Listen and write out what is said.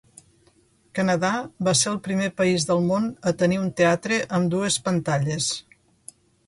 Canadà va ser el primer país del món a tenir un teatre amb dues pantalles.